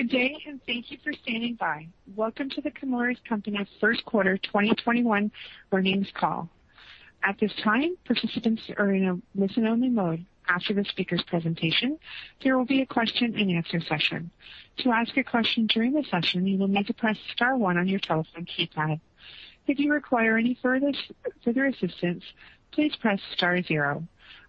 Good day, and thank you for standing by. Welcome to The Chemours Company First Quarter 2021 Earnings Call. At this time, participants are in a listen-only mode. After the speaker's presentation, there will be a question-and-answer session. To ask a question during the session, you will need to press star one on your telephone keypad. If you require any further assistance, please press star zero.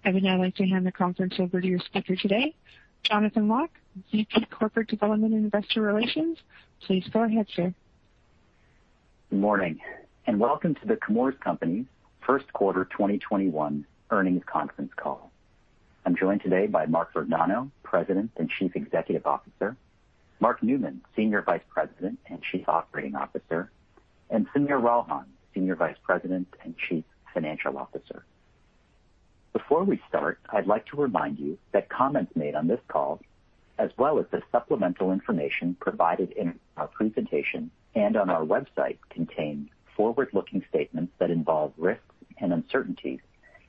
I would now like to hand the conference over to your speaker today, Jonathan Lock, VP Corporate Development and Investor Relations. Please go ahead, sir. Good morning, and welcome to The Chemours Company First Quarter 2021 Earnings Conference Call. I'm joined today by Mark Vergnano, President and Chief Executive Officer, Mark Newman, Senior Vice President and Chief Operating Officer, and Sameer Ralhan, Senior Vice President and Chief Financial Officer. Before we start, I'd like to remind you that comments made on this call, as well as the supplemental information provided in our presentation and on our website, contain forward-looking statements that involve risks and uncertainties,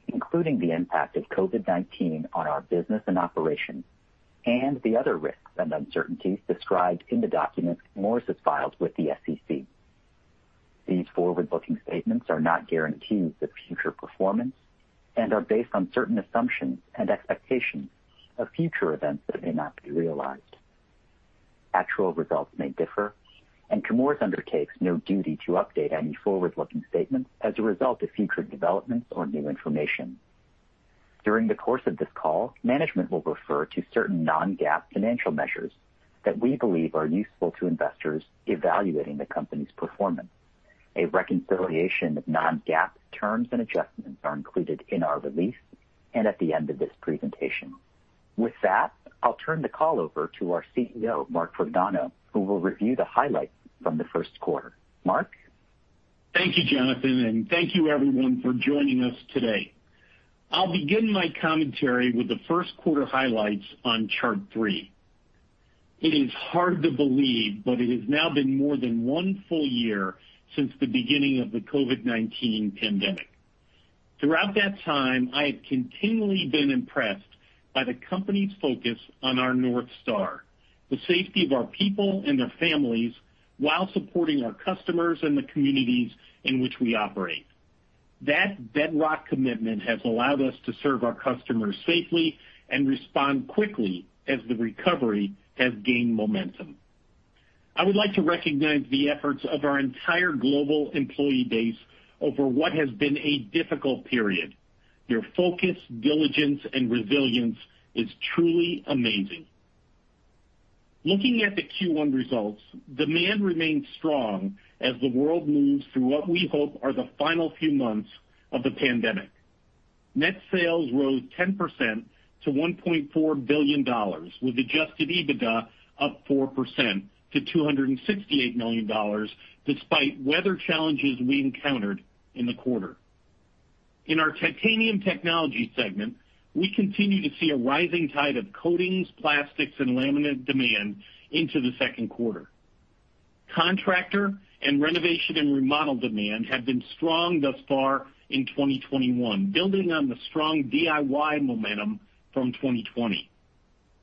including the impact of COVID-19 on our business and operations, and the other risks and uncertainties described in the documents Chemours has filed with the SEC. These forward-looking statements are not guarantees of future performance and are based on certain assumptions and expectations of future events that may not be realized. Actual results may differ, and Chemours undertakes no duty to update any forward-looking statements as a result of future developments or new information. During the course of this call, management will refer to certain non-GAAP financial measures that we believe are useful to investors evaluating the company's performance. A reconciliation of non-GAAP terms and adjustments are included in our release and at the end of this presentation. With that, I'll turn the call over to our CEO, Mark Vergnano, who will review the highlights from the first quarter. Mark? Thank you, Jonathan, and thank you, everyone, for joining us today. I'll begin my commentary with the first quarter highlights on chart three. It is hard to believe, but it has now been more than one full year since the beginning of the COVID-19 pandemic. Throughout that time, I have continually been impressed by the company's focus on our North Star, the safety of our people and their families while supporting our customers and the communities in which we operate. That bedrock commitment has allowed us to serve our customers safely and respond quickly as the recovery has gained momentum. I would like to recognize the efforts of our entire global employee base over what has been a difficult period. Their focus, diligence, and resilience is truly amazing. Looking at the Q1 results, demand remains strong as the world moves through what we hope are the final few months of the pandemic. Net sales rose 10% to $1.4 billion, with adjusted EBITDA up 4% to $268 million, despite weather challenges we encountered in the quarter. In our Titanium Technologies segment, we continue to see a rising tide of coatings, plastics, and laminate demand into the second quarter. Contractor and renovation and remodel demand have been strong thus far in 2021, building on the strong DIY momentum from 2020.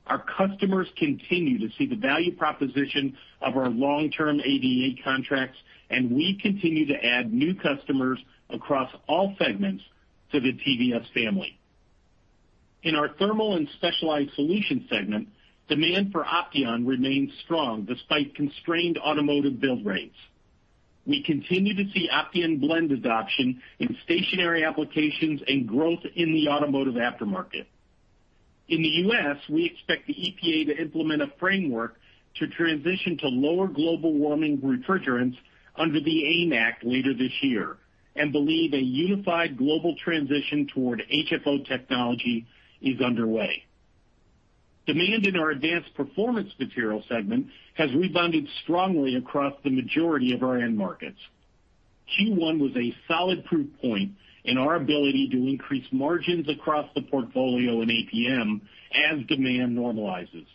Our customers continue to see the value proposition of our long-term AVA contracts, and we continue to add new customers across all segments to the TVS family. In our Thermal and Specialized Solutions segment, demand for Opteon remains strong despite constrained automotive build rates. We continue to see Opteon blend adoption in stationary applications and growth in the automotive aftermarket. In the U.S., we expect the EPA to implement a framework to transition to lower global warming refrigerants under the AIM Act later this year and believe a unified global transition toward HFO technology is underway. Demand in our Advanced Performance Materials segment has rebounded strongly across the majority of our end markets. Q1 was a solid proof point in our ability to increase margins across the portfolio in APM as demand normalizes.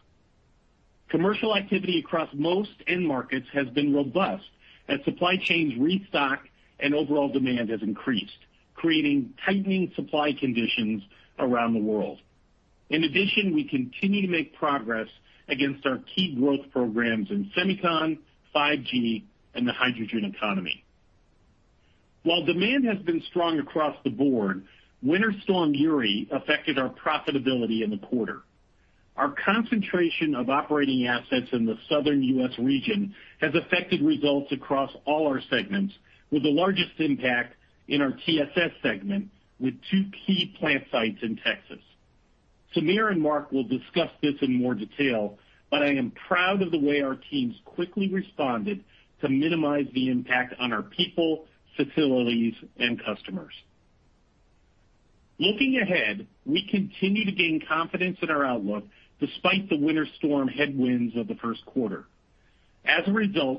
Commercial activity across most end markets has been robust as supply chains restock and overall demand has increased, creating tightening supply conditions around the world. In addition, we continue to make progress against our key growth programs in semicon, 5G, and the hydrogen economy. While demand has been strong across the board, Winter Storm Uri affected our profitability in the quarter. Our concentration of operating assets in the Southern U.S. region has affected results across all our segments, with the largest impact in our TSS segment, with two key plant sites in Texas. Sameer and Mark will discuss this in more detail, I am proud of the way our teams quickly responded to minimize the impact on our people, facilities, and customers. Looking ahead, we continue to gain confidence in our outlook despite the winter storm headwinds of the first quarter.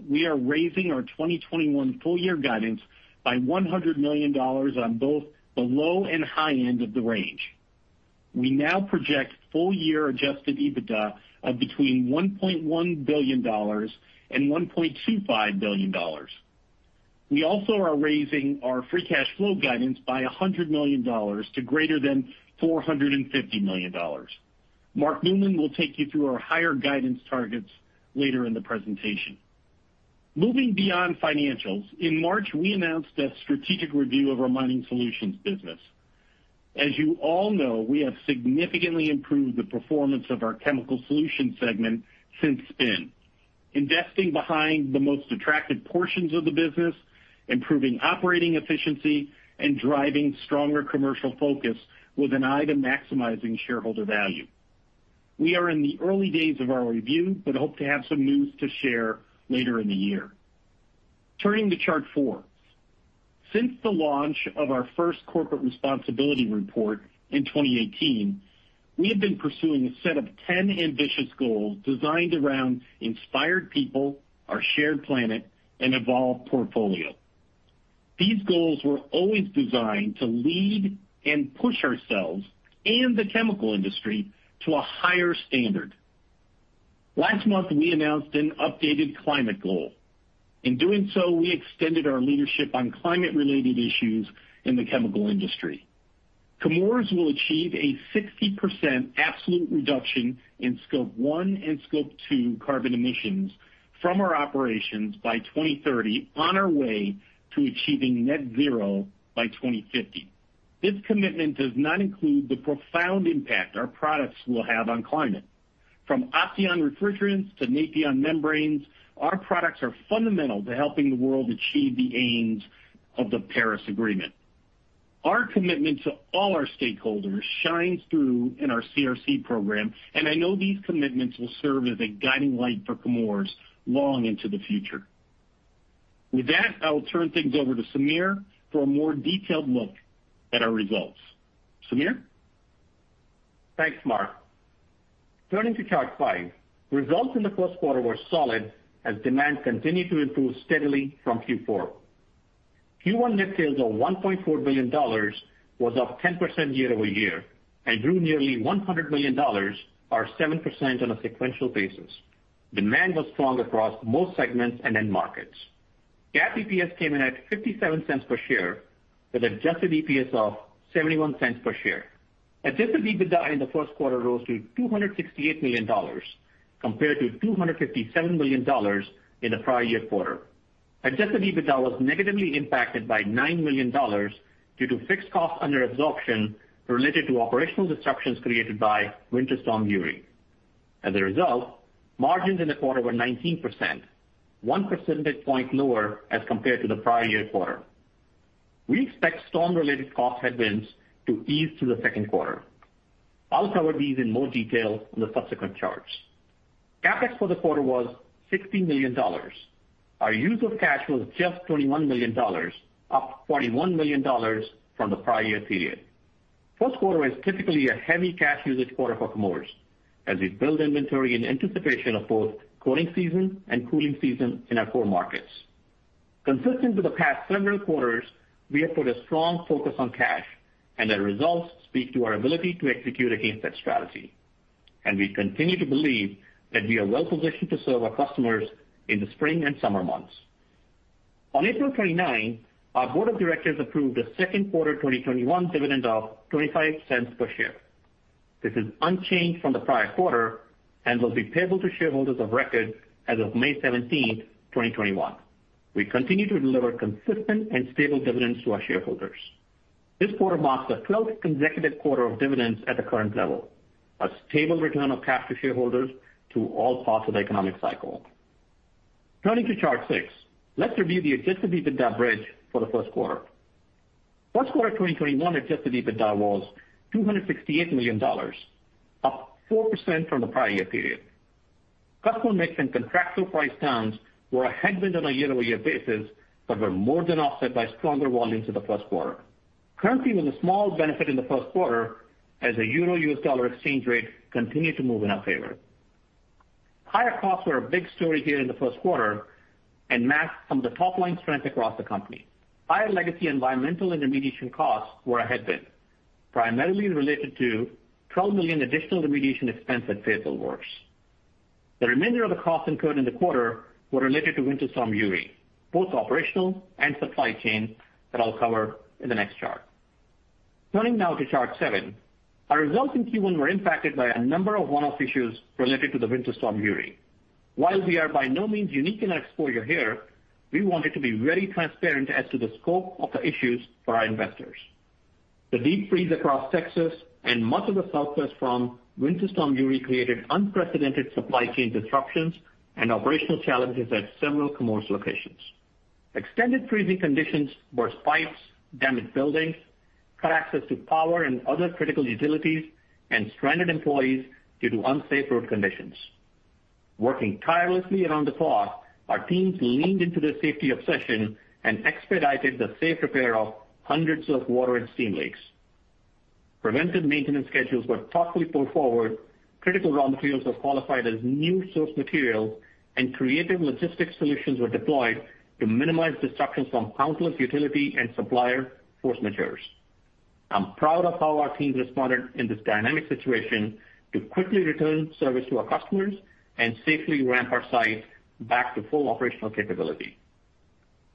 We are raising our 2021 full-year guidance by $100 million on both the low and high end of the range. We now project full-year adjusted EBITDA of between $1.1 billion and $1.25 billion. We also are raising our free cash flow guidance by $100 million to greater than $450 million. Mark Newman will take you through our higher guidance targets later in the presentation. Moving beyond financials, in March, we announced a strategic review of our Mining Solutions business. As you all know, we have significantly improved the performance of our Chemical Solutions segment since spin, investing behind the most attractive portions of the business, improving operating efficiency, and driving stronger commercial focus with an eye to maximizing shareholder value. We are in the early days of our review, but hope to have some news to share later in the year. Turning to chart four. Since the launch of our first Corporate Responsibility report in 2018, we have been pursuing a set of 10 ambitious goals designed around inspired people, our shared planet, and evolved portfolio. These goals were always designed to lead and push ourselves and the chemical industry to a higher standard. Last month, we announced an updated climate goal. In doing so, we extended our leadership on climate-related issues in the chemical industry. Chemours will achieve a 60% absolute reduction in Scope 1 and Scope 2 carbon emissions from our operations by 2030 on our way to achieving net zero by 2050. This commitment does not include the profound impact our products will have on climate. From Opteon refrigerants to Nafion membranes, our products are fundamental to helping the world achieve the aims of the Paris Agreement. Our commitment to all our stakeholders shines through in our CRC program, and I know these commitments will serve as a guiding light for Chemours long into the future. With that, I will turn things over to Sameer for a more detailed look at our results. Sameer? Thanks, Mark. Turning to Chart 5, results in the first quarter were solid as demand continued to improve steadily from Q4. Q1 net sales of $1.4 billion was up 10% year-over-year and grew nearly $100 million or 7% on a sequential basis. Demand was strong across most segments and end markets. GAAP EPS came in at $0.57 per share with adjusted EPS of $0.71 per share. Adjusted EBITDA in the first quarter rose to $268 million compared to $257 million in the prior year quarter. Adjusted EBITDA was negatively impacted by $9 million due to fixed costs under absorption related to operational disruptions created by Winter Storm Uri. Margins in the quarter were 19%, one percentage point lower as compared to the prior year quarter. We expect storm-related cost headwinds to ease through the second quarter. I'll cover these in more detail on the subsequent charts. CapEx for the quarter was $60 million. Our use of cash was just $21 million, up $41 million from the prior year period. First quarter is typically a heavy cash usage quarter for Chemours as we build inventory in anticipation of both cooling season in our core markets. Consistent with the past several quarters, we have put a strong focus on cash, the results speak to our ability to execute against that strategy. We continue to believe that we are well positioned to serve our customers in the spring and summer months. On April 29th, our board of directors approved a second quarter 2021 dividend of $0.25 per share. This is unchanged from the prior quarter and will be payable to shareholders of record as of May 17th, 2021. We continue to deliver consistent and stable dividends to our shareholders. This quarter marks the 12th consecutive quarter of dividends at the current level, a stable return of cash to shareholders through all parts of the economic cycle. Turning to chart six, let's review the adjusted EBITDA bridge for the first quarter. First quarter 2021 adjusted EBITDA was $268 million, up 4% from the prior year period. Customer mix and contractual price downs were a headwind on a year-over-year basis, but were more than offset by stronger volumes in the First quarter. Currency with a small benefit in the first quarter as the euro-U.S. dollar exchange rate continued to move in our favor. Higher costs were a big story here in the first quarter and masked some of the top-line strength across the company. Higher legacy environmental remediation costs were a headwind, primarily related to $12 million additional remediation expense at Fayetteville Works. The remainder of the costs incurred in the quarter were related to Winter Storm Uri, both operational and supply chain that I'll cover in the next chart. Turning now to chart seven. Our results in Q1 were impacted by a number of one-off issues related to the Winter Storm Uri. While we are by no means unique in our exposure here, we wanted to be very transparent as to the scope of the issues for our investors. The deep freeze across Texas and much of the Southwest from Winter Storm Uri created unprecedented supply chain disruptions and operational challenges at several Chemours locations. Extended freezing conditions burst pipes, damaged buildings, cut access to power and other critical utilities, and stranded employees due to unsafe road conditions. Working tirelessly around the clock, our teams leaned into their safety obsession and expedited the safe repair of hundreds of water and steam leaks. Preventive maintenance schedules were thoughtfully pulled forward, critical raw materials were qualified as new source materials, and creative logistics solutions were deployed to minimize disruptions from countless utility and supplier force majeures. I'm proud of how our teams responded in this dynamic situation to quickly return service to our customers and safely ramp our site back to full operational capability.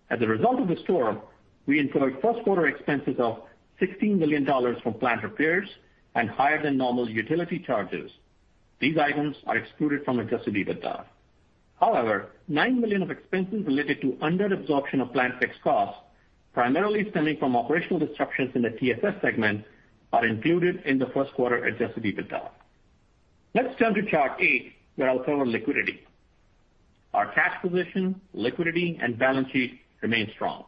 As a result of the storm, we incurred first quarter expenses of $16 million from plant repairs and higher than normal utility charges. These items are excluded from adjusted EBITDA. 9 million of expenses related to under absorption of plant fixed costs, primarily stemming from operational disruptions in the TSS segment, are included in the first quarter adjusted EBITDA. Let's turn to chart eight, where I'll cover liquidity. Our cash position, liquidity, and balance sheet remain strong.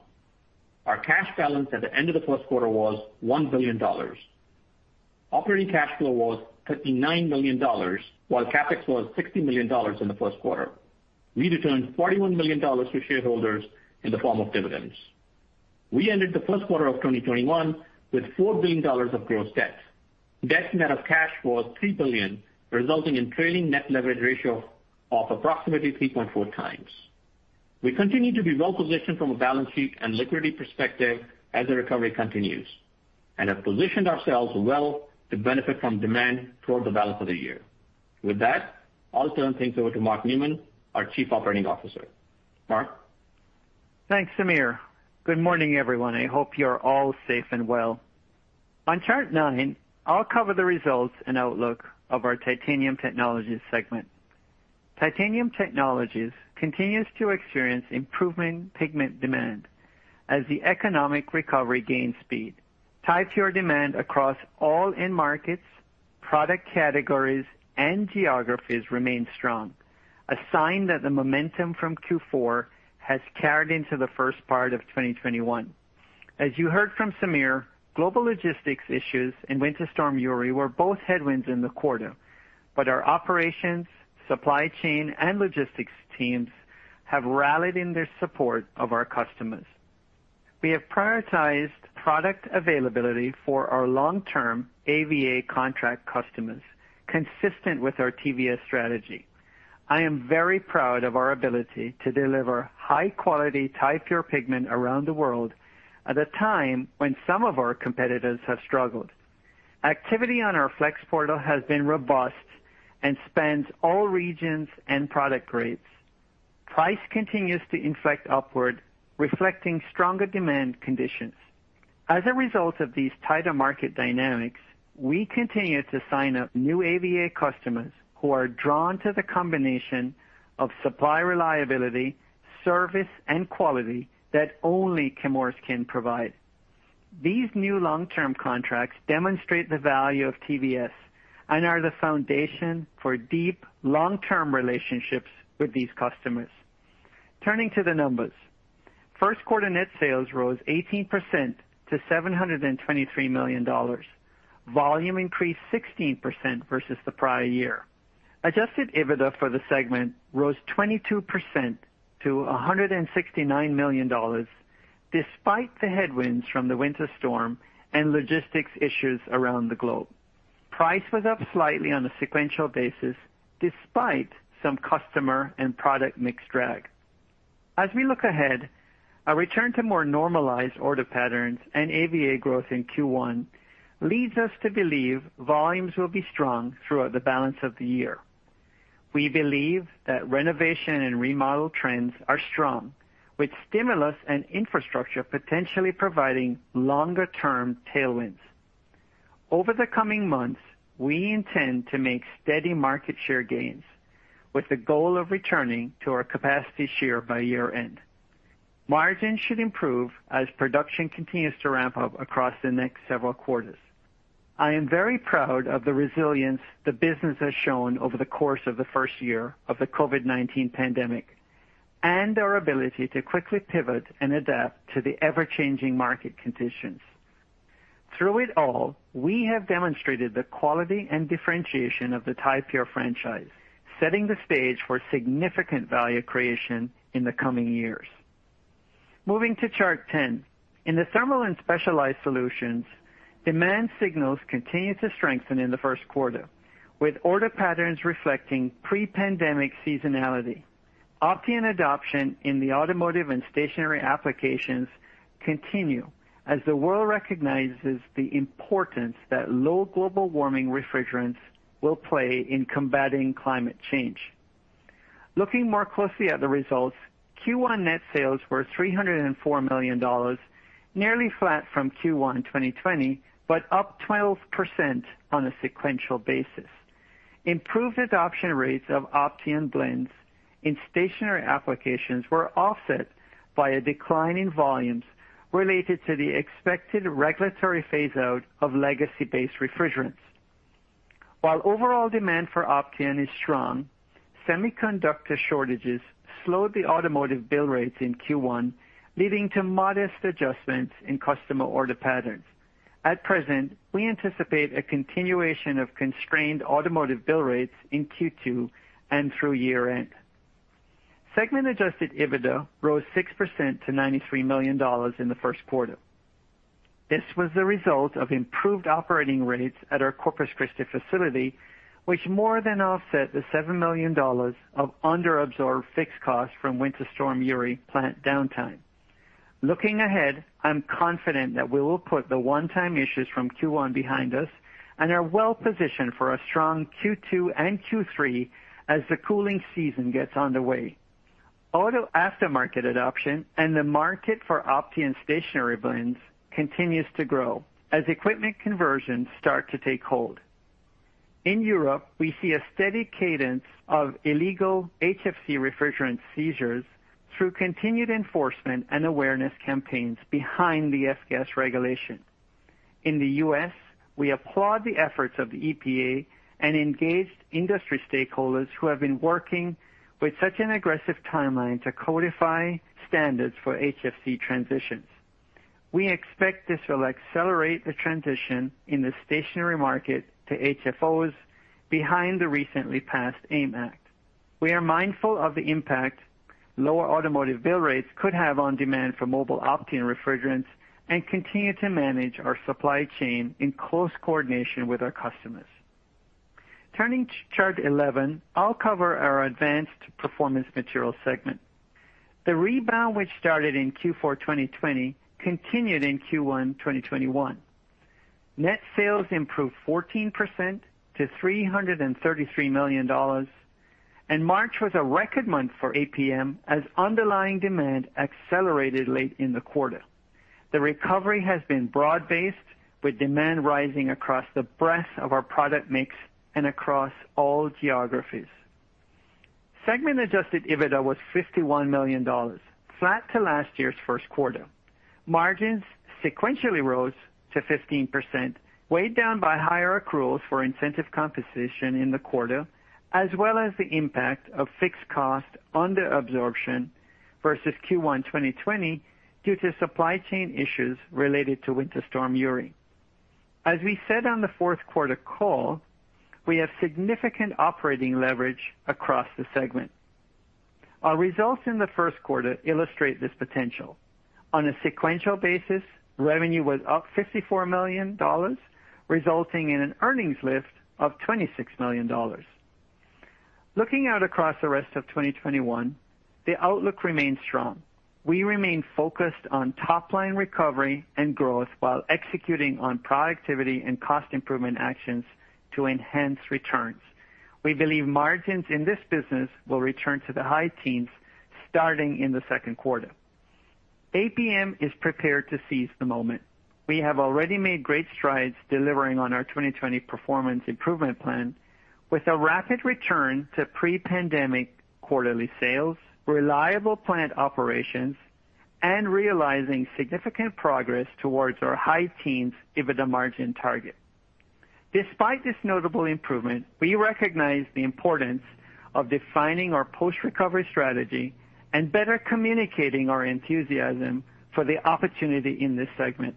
Our cash balance at the end of the first quarter was $1 billion. Operating cash flow was $39 million, while CapEx was $60 million in the first quarter. We returned $41 million to shareholders in the form of dividends. We ended the first quarter of 2021 with $4 billion of gross debt. Debt net of cash was $3 billion, resulting in trailing net leverage ratio of approximately 3.4x. We continue to be well-positioned from a balance sheet and liquidity perspective as the recovery continues, and have positioned ourselves well to benefit from demand toward the balance of the year. With that, I'll turn things over to Mark Newman, our Chief Operating Officer. Mark? Thanks, Sameer. Good morning, everyone. I hope you're all safe and well. On chart nine, I'll cover the results and outlook of our Titanium Technologies segment. Titanium Technologies continues to experience improvement in pigment demand as the economic recovery gains speed. Ti-Pure demand across all end markets, product categories, and geographies remain strong, a sign that the momentum from Q4 has carried into the first part of 2021. As you heard from Sameer, global logistics issues and Winter Storm Uri were both headwinds in the quarter. Our operations, supply chain, and logistics teams have rallied in their support of our customers. We have prioritized product availability for our long-term AVA contract customers, consistent with our TVS strategy. I am very proud of our ability to deliver high-quality Ti-Pure pigment around the world at a time when some of our competitors have struggled. Activity on our Flex Portal has been robust and spans all regions and product grades. Price continues to inflect upward, reflecting stronger demand conditions. As a result of these tighter market dynamics, we continue to sign up new AVA customers who are drawn to the combination of supply reliability, service, and quality that only Chemours can provide. These new long-term contracts demonstrate the value of TVS and are the foundation for deep, long-term relationships with these customers. Turning to the numbers. First quarter net sales rose 18% to $723 million. Volume increased 16% versus the prior year. Adjusted EBITDA for the segment rose 22% to $169 million, despite the headwinds from the Winter Storm and logistics issues around the globe. Price was up slightly on a sequential basis, despite some customer and product mix drag. As we look ahead, a return to more normalized order patterns and AVA growth in Q1 leads us to believe volumes will be strong throughout the balance of the year. We believe that renovation and remodel trends are strong, with stimulus and infrastructure potentially providing longer-term tailwinds. Over the coming months, we intend to make steady market share gains with the goal of returning to our capacity share by year end. Margins should improve as production continues to ramp up across the next several quarters. I am very proud of the resilience the business has shown over the course of the first year of the COVID-19 pandemic and our ability to quickly pivot and adapt to the ever-changing market conditions. Through it all, we have demonstrated the quality and differentiation of the Ti-Pure franchise, setting the stage for significant value creation in the coming years. Moving to chart 10. In the Thermal & Specialized Solutions, demand signals continued to strengthen in the first quarter, with order patterns reflecting pre-pandemic seasonality. Opteon adoption in the automotive and stationary applications continue as the world recognizes the importance that low global warming refrigerants will play in combating climate change. Looking more closely at the results, Q1 net sales were $304 million, nearly flat from Q1 2020, but up 12% on a sequential basis. Improved adoption rates of Opteon blends in stationary applications were offset by a decline in volumes related to the expected regulatory phase out of legacy-based refrigerants. While overall demand for Opteon is strong, semiconductor shortages slowed the automotive build rates in Q1, leading to modest adjustments in customer order patterns. At present, we anticipate a continuation of constrained automotive build rates in Q2 and through year end. Segment adjusted EBITDA rose 6% to $93 million in the first quarter. This was the result of improved operating rates at our Corpus Christi facility, which more than offset the $7 million of under-absorbed fixed costs from Winter Storm Uri plant downtime. Looking ahead, I'm confident that we will put the one-time issues from Q1 behind us and are well-positioned for a strong Q2 and Q3 as the cooling season gets underway. Auto aftermarket adoption and the market for Opteon stationary blends continues to grow as equipment conversions start to take hold. In Europe, we see a steady cadence of illegal HFC refrigerant seizures through continued enforcement and awareness campaigns behind the F-gas Regulation. In the U.S., we applaud the efforts of the EPA and engaged industry stakeholders who have been working with such an aggressive timeline to codify standards for HFC transitions. We expect this will accelerate the transition in the stationary market to HFOs behind the recently passed AIM Act. We are mindful of the impact lower automotive build rates could have on demand for mobile Opteon refrigerants and continue to manage our supply chain in close coordination with our customers. Turning to chart 11, I'll cover our Advanced Performance Materials segment. The rebound, which started in Q4 2020, continued in Q1 2021. Net sales improved 14% to $333 million. March was a record month for APM as underlying demand accelerated late in the quarter. The recovery has been broad-based, with demand rising across the breadth of our product mix and across all geographies. Segment adjusted EBITDA was $51 million, flat to last year's first quarter. Margins sequentially rose to 15%, weighed down by higher accruals for incentive compensation in the quarter, as well as the impact of fixed cost under absorption versus Q1 2020 due to supply chain issues related to Winter Storm Uri. As we said on the fourth quarter call, we have significant operating leverage across the segment. Our results in the first quarter illustrate this potential. On a sequential basis, revenue was up $54 million, resulting in an earnings lift of $26 million. Looking out across the rest of 2021, the outlook remains strong. We remain focused on top-line recovery and growth while executing on productivity and cost improvement actions to enhance returns. We believe margins in this business will return to the high teens starting in the second quarter. APM is prepared to seize the moment. We have already made great strides delivering on our 2020 performance improvement plan with a rapid return to pre-pandemic quarterly sales, reliable plant operations, and realizing significant progress towards our high teens EBITDA margin target. Despite this notable improvement, we recognize the importance of defining our post-recovery strategy and better communicating our enthusiasm for the opportunity in this segment.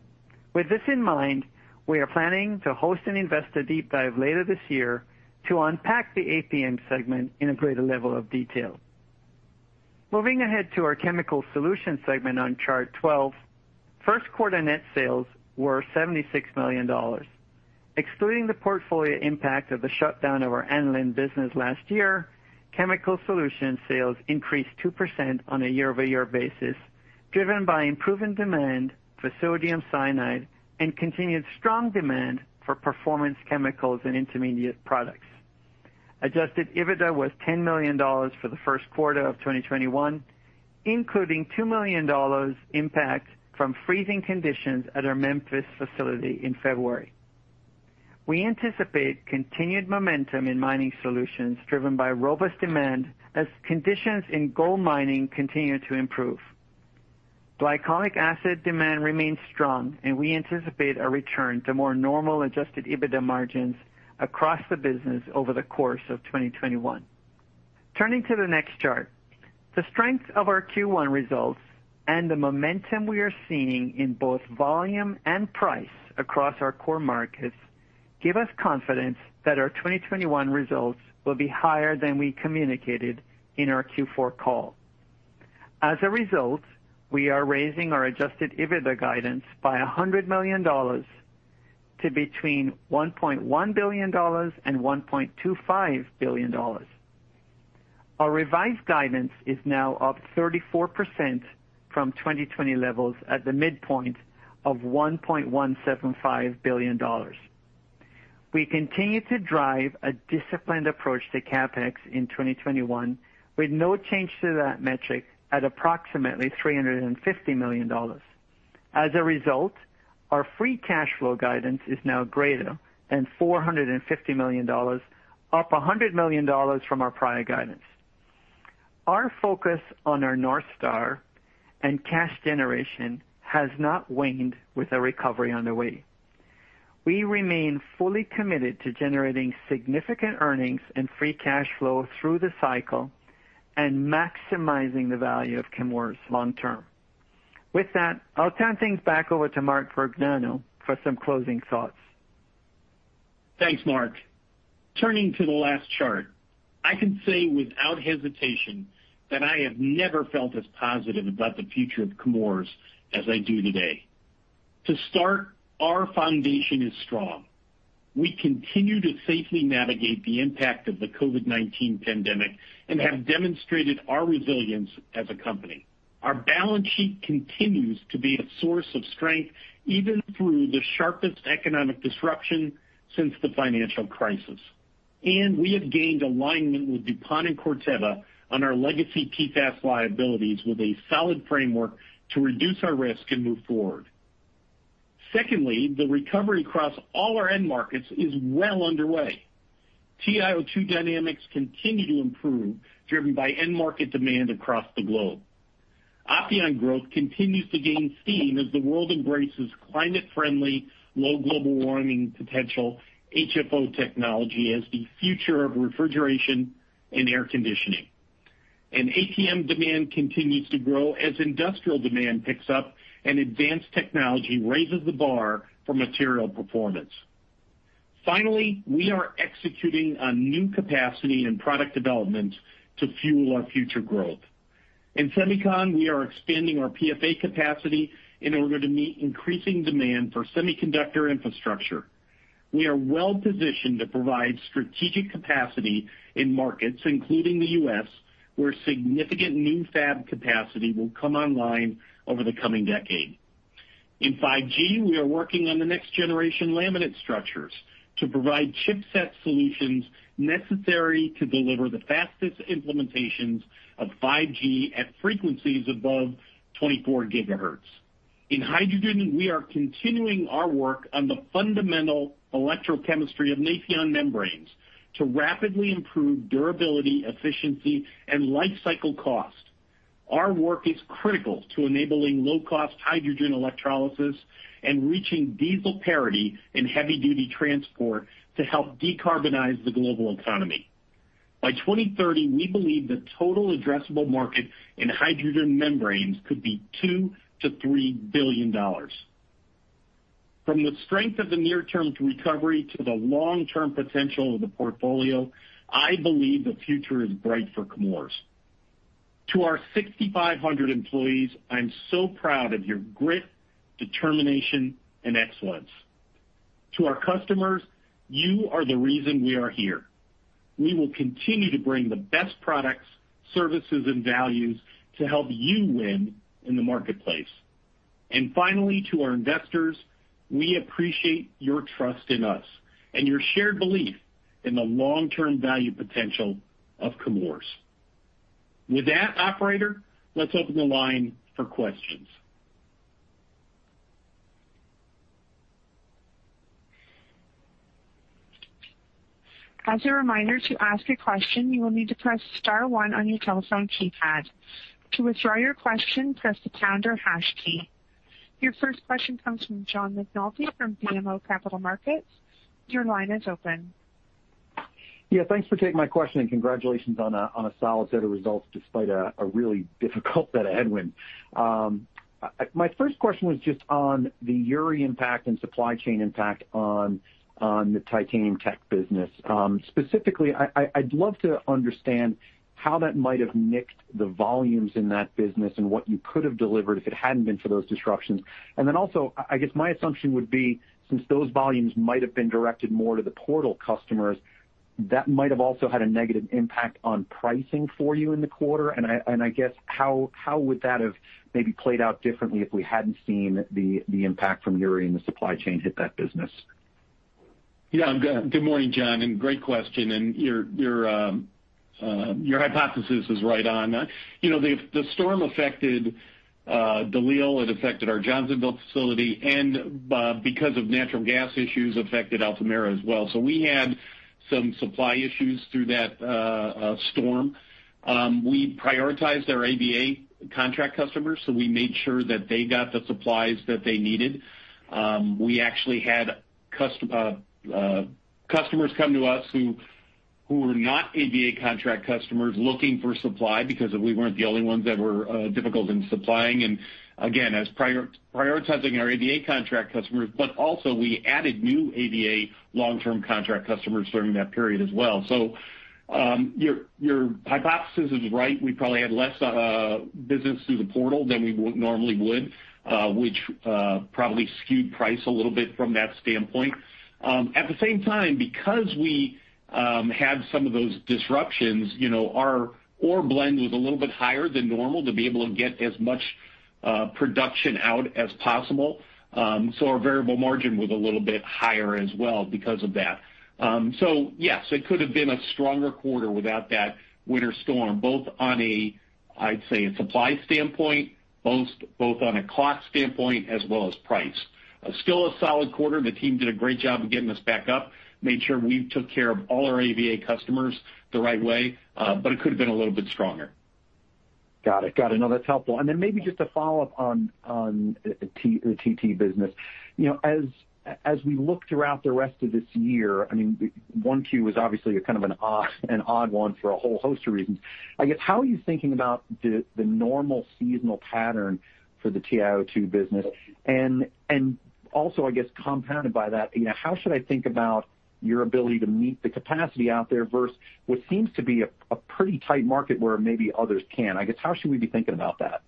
With this in mind, we are planning to host an investor deep dive later this year to unpack the APM segment in a greater level of detail. Moving ahead to our Chemical Solutions segment on chart 12. First quarter net sales were $76 million. Excluding the portfolio impact of the shutdown of our Aniline business last year, Chemical Solutions sales increased 2% on a year-over-year basis, driven by improving demand for sodium cyanide and continued strong demand for performance chemicals and intermediate products. Adjusted EBITDA was $10 million for the first quarter of 2021, including $2 million impact from freezing conditions at our Memphis facility in February. We anticipate continued momentum in Mining Solutions driven by robust demand as conditions in gold mining continue to improve. Glycolic acid demand remains strong, and we anticipate a return to more normal adjusted EBITDA margins across the business over the course of 2021. Turning to the next chart. The strength of our Q1 results and the momentum we are seeing in both volume and price across our core markets give us confidence that our 2021 results will be higher than we communicated in our Q4 call. As a result, we are raising our adjusted EBITDA guidance by $100 million to between $1.1 billion and $1.25 billion. Our revised guidance is now up 34% from 2020 levels at the midpoint of $1.175 billion. We continue to drive a disciplined approach to CapEx in 2021, with no change to that metric at approximately $350 million. As a result, our free cash flow guidance is now greater than $450 million, up $100 million from our prior guidance. Our focus on our North Star and cash generation has not waned with a recovery underway. We remain fully committed to generating significant earnings and free cash flow through the cycle and maximizing the value of Chemours long term. With that, I'll turn things back over to Mark Vergnano for some closing thoughts. Thanks, Mark. Turning to the last chart, I can say without hesitation that I have never felt as positive about the future of Chemours as I do today. To start, our foundation is strong. We continue to safely navigate the impact of the COVID-19 pandemic and have demonstrated our resilience as a company. Our balance sheet continues to be a source of strength, even through the sharpest economic disruption since the financial crisis. We have gained alignment with DuPont and Corteva on our legacy PFAS liabilities with a solid framework to reduce our risk and move forward. Secondly, the recovery across all our end markets is well underway. TiO2 dynamics continue to improve, driven by end market demand across the globe. Opteon growth continues to gain steam as the world embraces climate-friendly, low global warming potential HFO technology as the future of refrigeration and air conditioning. APM demand continues to grow as industrial demand picks up and advanced technology raises the bar for material performance. Finally, we are executing on new capacity and product development to fuel our future growth. In semicon, we are expanding our PFA capacity in order to meet increasing demand for semiconductor infrastructure. We are well-positioned to provide strategic capacity in markets, including the U.S., where significant new fab capacity will come online over the coming decade. In 5G, we are working on the next generation laminate structures to provide chipset solutions necessary to deliver the fastest implementations of 5G at frequencies above 24 GHz. In hydrogen, we are continuing our work on the fundamental electrochemistry of Nafion membranes to rapidly improve durability, efficiency, and life cycle cost. Our work is critical to enabling low-cost hydrogen electrolysis and reaching diesel parity in heavy-duty transport to help decarbonize the global economy. By 2030, we believe the total addressable market in hydrogen membranes could be $2 billion-$3 billion. From the strength of the near-term recovery to the long-term potential of the portfolio, I believe the future is bright for Chemours. To our 6,500 employees, I'm so proud of your grit, determination, and excellence. To our customers, you are the reason we are here. We will continue to bring the best products, services, and values to help you win in the marketplace. Finally, to our investors, we appreciate your trust in us and your shared belief in the long-term value potential of Chemours. With that, operator, let's open the line for questions. As a reminder, to ask a question, you will need to press star one on your telephone keypad. To withdraw your question, press the pound or hash key. Your first question comes from John McNulty from BMO Capital Markets. Your line is open. Yeah, thanks for taking my question, and congratulations on a solid set of results despite a really difficult set of headwinds. My first question was just on the Uri impact and supply chain impact on the Titanium Tech business. Specifically, I'd love to understand how that might have nicked the volumes in that business and what you could have delivered if it hadn't been for those disruptions. Also, I guess my assumption would be, since those volumes might have been directed more to the Portal customers, that might have also had a negative impact on pricing for you in the quarter. I guess how would that have maybe played out differently if we hadn't seen the impact from Uri and the supply chain hit that business? Yeah. Good morning, John, great question. Your hypothesis is right on. The storm affected DeLisle, it affected our Johnsonville facility, because of natural gas issues, affected Altamira as well. We had some supply issues through that storm. We prioritized our AVA contract customers, we made sure that they got the supplies that they needed. We actually had customers come to us who were not AVA contract customers looking for supply because we weren't the only ones that were difficult in supplying. Again, I was prioritizing our AVA contract customers, also we added new AVA long-term contract customers during that period as well. Your hypothesis is right. We probably had less business through the portal than we normally would, which probably skewed price a little bit from that standpoint. At the same time, because we had some of those disruptions, our ore blend was a little bit higher than normal to be able to get as much production out as possible. Our variable margin was a little bit higher as well because of that. Yes, it could have been a stronger quarter without that winter storm, both on a, I'd say, a supply standpoint, both on a cost standpoint as well as price. Still a solid quarter. The team did a great job of getting us back up, made sure we took care of all our AVA customers the right way. It could have been a little bit stronger. Got it. No, that's helpful. Then maybe just a follow-up on the TT business. As we look throughout the rest of this year, 1Q was obviously a kind of an odd one for a whole host of reasons. I guess, how are you thinking about the normal seasonal pattern for the TiO2 business? Also, I guess compounded by that, how should I think about your ability to meet the capacity out there versus what seems to be a pretty tight market where maybe others can? I guess, how should we be thinking about that?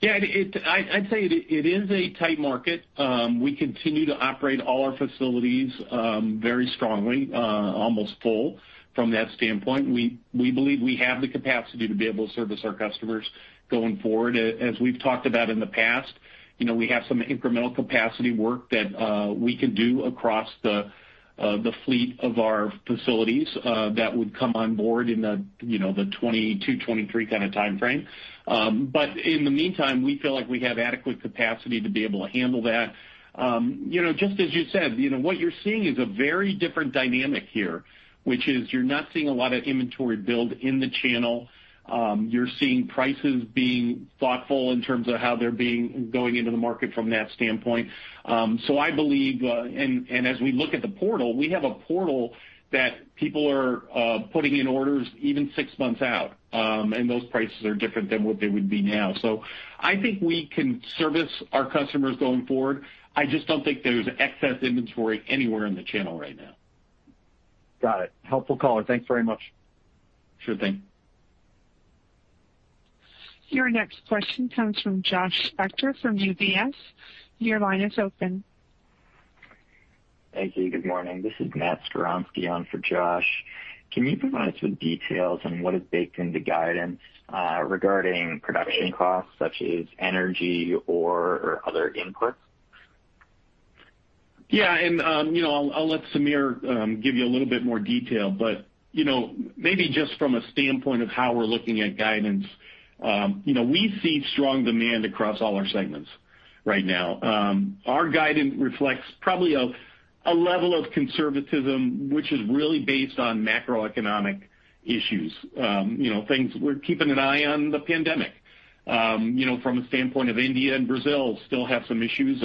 Yeah, I'd say it is a tight market. We continue to operate all our facilities very strongly, almost full from that standpoint. We believe we have the capacity to be able to service our customers going forward. As we've talked about in the past, we have some incremental capacity work that we can do across the fleet of our facilities that would come on board in the 2022, 2023 kind of timeframe. In the meantime, we feel like we have adequate capacity to be able to handle that. Just as you said, what you're seeing is a very different dynamic here, which is you're not seeing a lot of inventory build in the channel. You're seeing prices being thoughtful in terms of how they're going into the market from that standpoint. I believe, and as we look at the portal, we have a portal that people are putting in orders even six months out. Those prices are different than what they would be now. I think we can service our customers going forward. I just don't think there's excess inventory anywhere in the channel right now. Got it. Helpful call. Thanks very much. Sure thing. Your next question comes from Josh Spector from UBS. Your line is open. Thank you. Good morning. This is Matt Skowronski on for Josh. Can you provide us with details on what is baked into guidance regarding production costs such as energy or other inputs? Yeah. I'll let Sameer give you a little bit more detail, but maybe just from a standpoint of how we're looking at guidance. We see strong demand across all our segments right now. Our guidance reflects probably a level of conservatism, which is really based on macroeconomic issues. We're keeping an eye on the pandemic. From a standpoint of India and Brazil still have some issues.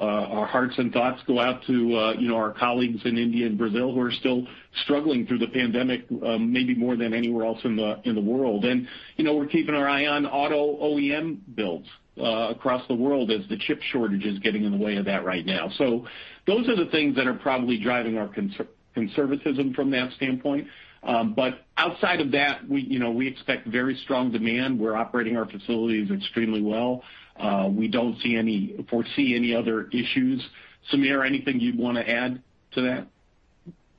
Our hearts and thoughts go out to our colleagues in India and Brazil, who are still struggling through the pandemic, maybe more than anywhere else in the world. We're keeping our eye on auto OEM builds across the world as the chip shortage is getting in the way of that right now. Those are the things that are probably driving our conservatism from that standpoint. Outside of that, we expect very strong demand. We're operating our facilities extremely well. We don't foresee any other issues. Sameer, anything you'd want to add to that?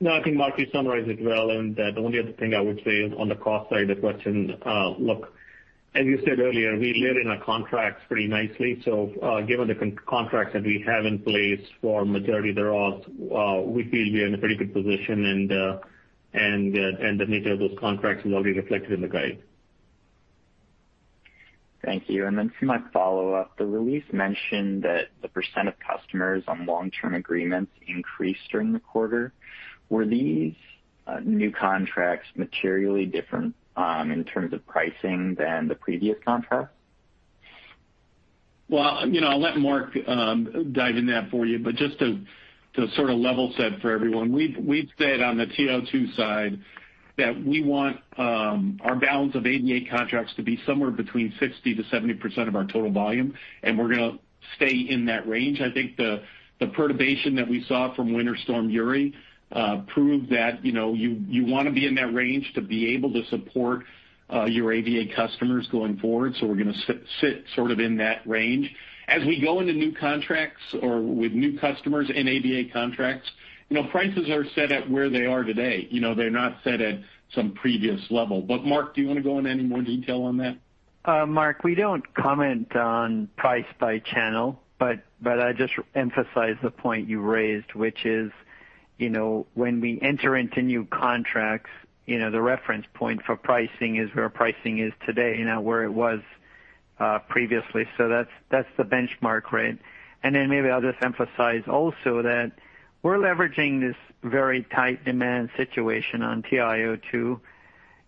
No, I think Mark summarized it well, and the only other thing I would say on the cost side of the question. Look, as you said earlier, we layer in our contracts pretty nicely. Given the contracts that we have in place for majority thereof, we feel we are in a pretty good position and the nature of those contracts is already reflected in the guide. Thank you. For my follow-up, the release mentioned that the percentage of customers on long-term agreements increased during the quarter. Were these new contracts materially different in terms of pricing than the previous contracts? Well, I'll let Mark dive in that for you. Just to sort of level set for everyone, we've said on the TiO2 side that we want our balance of AVA contracts to be somewhere between 60%-70% of our total volume, and we're going to stay in that range. I think the perturbation that we saw from Winter Storm Uri proved that you want to be in that range to be able to support your AVA customers going forward. We're going to sit sort of in that range. As we go into new contracts or with new customers in AVA contracts, prices are set at where they are today. They're not set at some previous level. Mark, do you want to go into any more detail on that? Mark, we don't comment on price by channel, but I just emphasize the point you raised, which is when we enter into new contracts, the reference point for pricing is where pricing is today, not where it was previously. That's the benchmark rate. Maybe I'll just emphasize also that we're leveraging this very tight demand situation on TiO2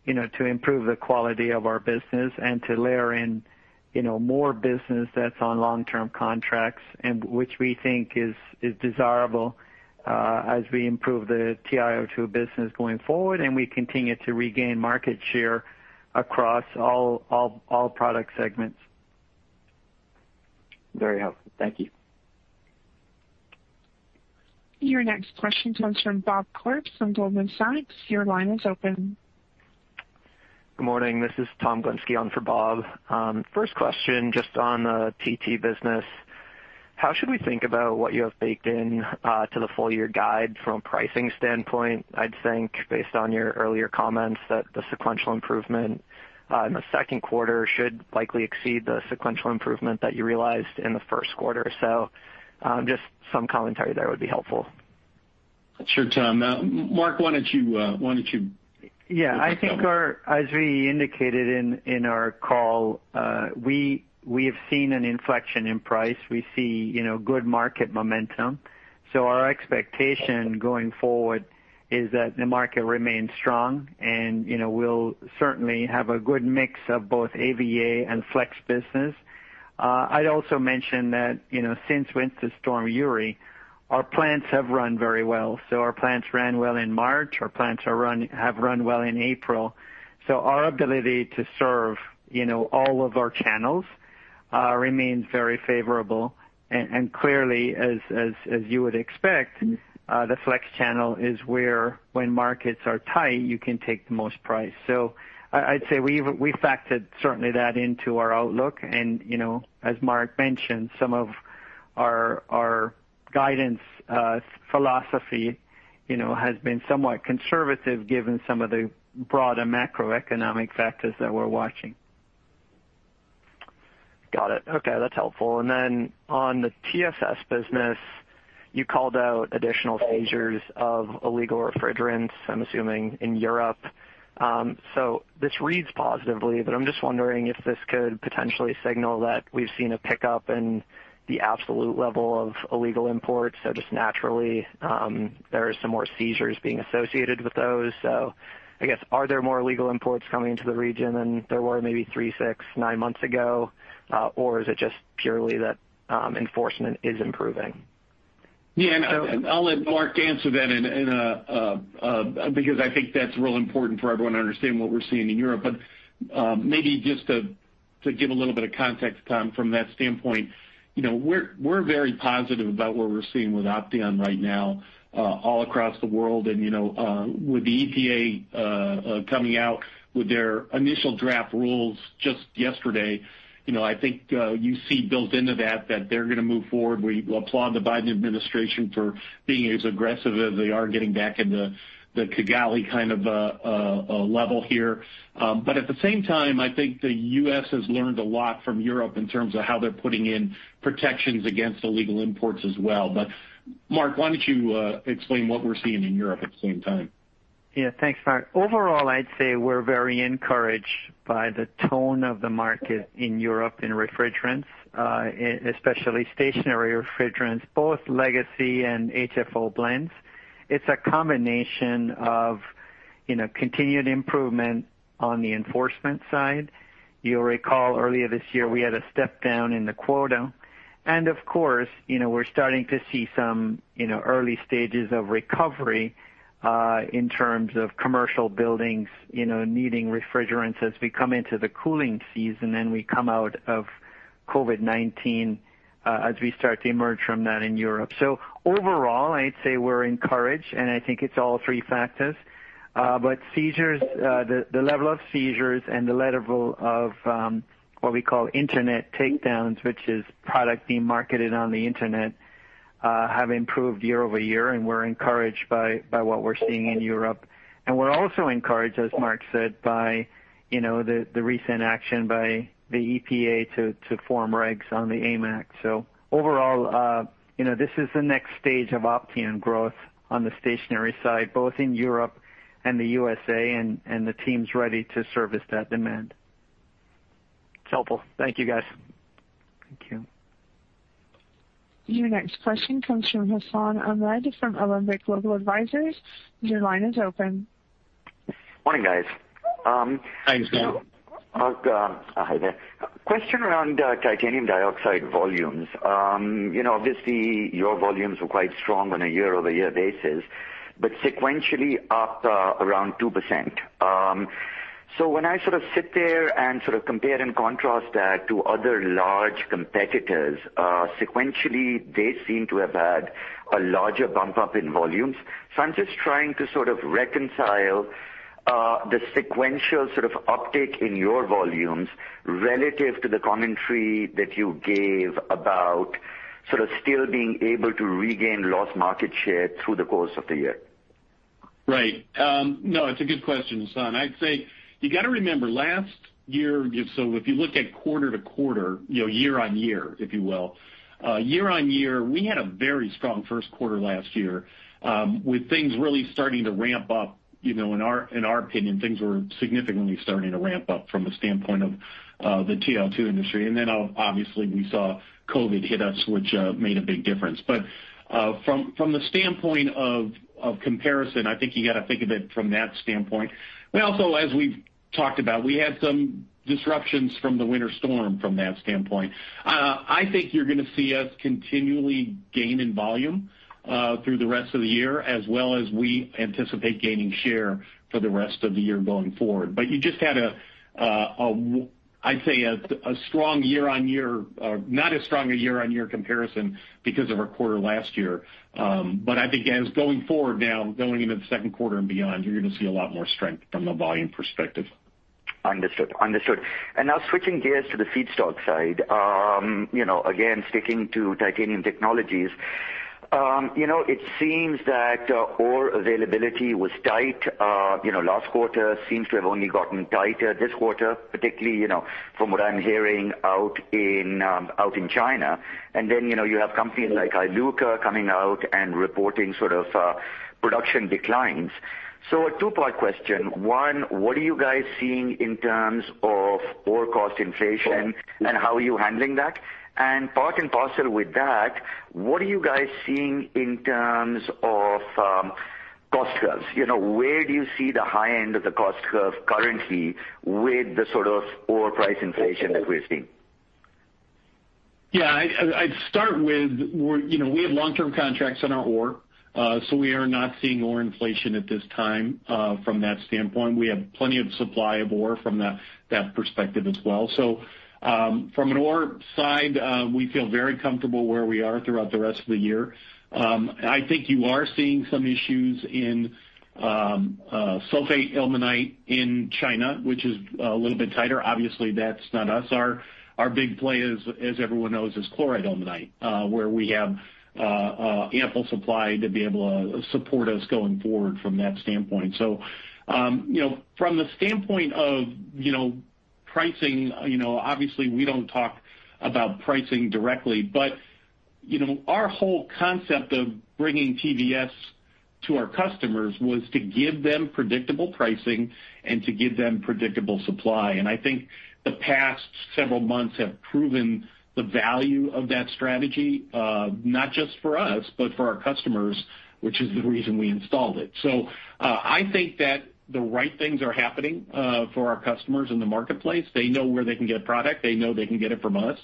to improve the quality of our business and to layer in more business that's on long-term contracts, and which we think is desirable as we improve the TiO2 business going forward, and we continue to regain market share across all product segments. Very helpful. Thank you. Your next question comes from Bob Koort from Goldman Sachs. Your line is open. Good morning. This is Tom Glinski on for Bob. First question, just on the TT business. How should we think about what you have baked in to the full-year guide from a pricing standpoint? I'd think based on your earlier comments that the sequential improvement in the second quarter should likely exceed the sequential improvement that you realized in the first quarter. Just some commentary there would be helpful. Sure, Tom. Mark, why don't you- Yeah. I think as we indicated in our call, we have seen an inflection in price. We see good market momentum. Our expectation going forward is that the market remains strong, and we'll certainly have a good mix of both AVA and flex business. I'd also mention that since Winter Storm Uri, our plants have run very well. Our plants ran well in March. Our plants have run well in April. Our ability to serve all of our channels remains very favorable. Clearly, as you would expect, the flex channel is where when markets are tight, you can take the most price. I'd say we factored certainly that into our outlook. As Mark mentioned, some of our guidance philosophy has been somewhat conservative given some of the broader macroeconomic factors that we're watching. Got it. Okay. That's helpful. On the TSS business, you called out additional seizures of illegal refrigerants, I'm assuming in Europe. This reads positively, but I'm just wondering if this could potentially signal that we've seen a pickup in the absolute level of illegal imports. Just naturally, there are some more seizures being associated with those. I guess, are there more illegal imports coming into the region than there were maybe three, six, nine months ago? Or is it just purely that enforcement is improving? Yeah. I'll let Mark answer that because I think that's real important for everyone to understand what we're seeing in Europe. Maybe just to give a little bit of context, Tom, from that standpoint, we're very positive about what we're seeing with Opteon right now all across the world. With the EPA coming out with their initial draft rules just yesterday, I think you see built into that they're going to move forward. We applaud the Biden administration for being as aggressive as they are getting back into the Kigali kind of a level here. At the same time, I think the U.S. has learned a lot from Europe in terms of how they're putting in protections against illegal imports as well. Mark, why don't you explain what we're seeing in Europe at the same time? Thanks, Mark. Overall, I'd say we're very encouraged by the tone of the market in Europe in refrigerants, especially stationary refrigerants, both legacy and HFO blends. It's a combination of continued improvement on the enforcement side. You'll recall earlier this year, we had a step down in the quota. Of course, we're starting to see some early stages of recovery in terms of commercial buildings needing refrigerants as we come into the cooling season and we come out of COVID-19 as we start to emerge from that in Europe. Overall, I'd say we're encouraged, and I think it's all three factors. The level of seizures and the level of what we call Internet takedowns, which is product being marketed on the Internet, have improved year-over-year, and we're encouraged by what we're seeing in Europe. We're also encouraged, as Mark said, by the recent action by the EPA to form regs on the AIM Act. Overall, this is the next stage of Opteon growth on the stationary side, both in Europe and the U.S.A. The team's ready to service that demand. It's helpful. Thank you, guys. Thank you. Your next question comes from Hassan Ahmed from Alembic Global Advisors. Morning, guys. Hi, Hassan. Mark, hi there. Question around titanium dioxide volumes. Obviously, your volumes were quite strong on a year-over-year basis, but sequentially up around 2%. When I sit there and compare and contrast that to other large competitors sequentially, they seem to have had a larger bump up in volumes. I'm just trying to reconcile the sequential uptick in your volumes relative to the commentary that you gave about still being able to regain lost market share through the course of the year. Right. No, it's a good question, Hassan. I'd say you got to remember, last year, so if you look at quarter to quarter, year-on-year, if you will. Year-on-year, we had a very strong first quarter last year with things really starting to ramp up. In our opinion, things were significantly starting to ramp up from a standpoint of the TiO2 industry. Obviously we saw COVID hit us, which made a big difference. From the standpoint of comparison, I think you got to think of it from that standpoint. Also, as we've talked about, we had some disruptions from the winter storm from that standpoint. I think you're going to see us continually gain in volume through the rest of the year, as well as we anticipate gaining share for the rest of the year going forward. You just had a, I'd say a strong year-on-year, not as strong a year-on-year comparison because of our quarter last year. I think as going forward now, going into the second quarter and beyond, you're going to see a lot more strength from a volume perspective. Understood. Now switching gears to the feedstock side. Again, sticking to Titanium Technologies. It seems that ore availability was tight last quarter, seems to have only gotten tighter this quarter, particularly, from what I'm hearing out in China. Then you have companies like Iluka coming out and reporting production declines. A two-part question. One, what are you guys seeing in terms of ore cost inflation, and how are you handling that? Part and parcel with that, what are you guys seeing in terms of cost curves? Where do you see the high end of the cost curve currently with the ore price inflation that we're seeing? Yeah. I'd start with, we have long-term contracts on our ore. We are not seeing ore inflation at this time from that standpoint. We have plenty of supply of ore from that perspective as well. From an ore side, we feel very comfortable where we are throughout the rest of the year. I think you are seeing some issues in sulfate ilmenite in China, which is a little bit tighter. Obviously, that's not us. Our big play, as everyone knows, is chloride ilmenite where we have ample supply to be able to support us going forward from that standpoint. From the standpoint of pricing, obviously we don't talk about pricing directly, but our whole concept of bringing TVS to our customers was to give them predictable pricing and to give them predictable supply. I think the past several months have proven the value of that strategy, not just for us, but for our customers, which is the reason we installed it. I think that the right things are happening for our customers in the marketplace. They know where they can get product. They know they can get it from us.